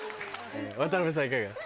渡辺さんいかが？